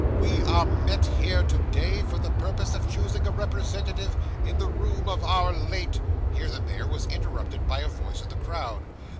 We are met here to day for the purpose of choosing a representative in the room of our late ' Here the mayor was interrupted by a voice in the crowd.